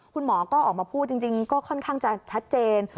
คุณหมอก็ออกมาพูดจริงก็ค่อนข้างจะชัดเจน